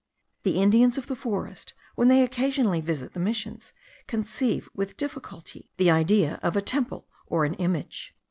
The Indians of the forest, when they occasionally visit the missions, conceive with difficulty the idea of a temple or an image.